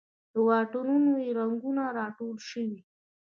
له واټونو یې رنګونه راټول شوې